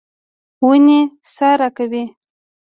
ونې سا راکوي.